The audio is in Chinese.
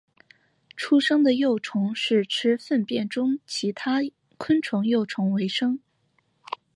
出生的幼虫是吃粪便中其他昆虫幼虫为生。